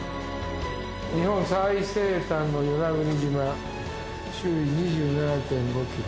日本最西端の与那国島周囲２７．５ｋｍ。